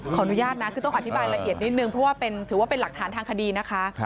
อนุญาตนะคือต้องอธิบายละเอียดนิดนึงเพราะว่าถือว่าเป็นหลักฐานทางคดีนะคะ